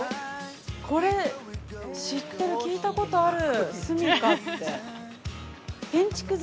◆これ知ってる、聞いたことある。